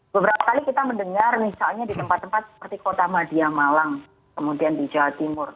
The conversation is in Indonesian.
beberapa kali kita mendengar misalnya di tempat tempat seperti kota madia malang kemudian di jawa timur